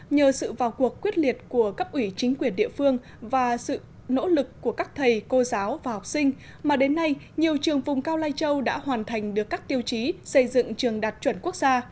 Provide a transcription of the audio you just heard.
nhờ sự vào cuộc quyết liệt của cấp ủy chính quyền địa phương và sự nỗ lực của các thầy cô giáo và học sinh mà đến nay nhiều trường vùng cao lai châu đã hoàn thành được các tiêu chí xây dựng trường đạt chuẩn quốc gia